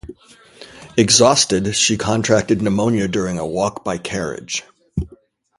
Exhausted, she contracted pneumonia during a walk by carriage.